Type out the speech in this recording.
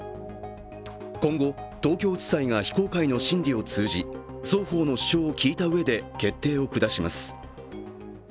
今後、東京地裁が非公開の審理を通じ双方の主張を聞いたうえで決定を下します。